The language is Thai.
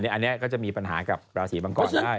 อันนี้ก็จะมีปัญหากับราศีมังกรได้